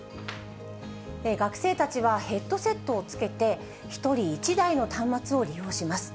学生たちはヘッドセットをつけて、１人１台の端末を利用します。